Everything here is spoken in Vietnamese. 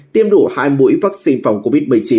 tiêm đủ hai mũi vaccine phòng covid một mươi chín